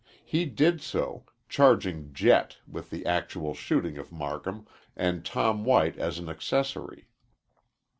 He did so, charging Jett with the actual shooting of Marcum, and Tom White as an accessory.